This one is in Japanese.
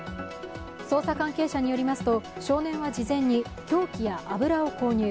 捜査関係者によりますと少年は事前に凶器や油を購入。